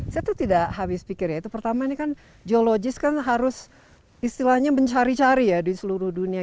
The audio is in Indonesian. saya satu tidak habis pikir yaitu pertama kan geologis kan harus istilahnya mencari cari ya di seluruh dunia